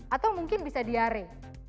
atau mungkin bisa diare